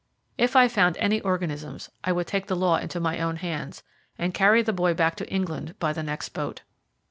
If I found any organisms, I would take the law into my own hands, and carry the boy back to England by the next boat.